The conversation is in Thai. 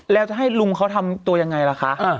แล้วจะให้ลุงเขาทำตัวยังไงล่ะคะ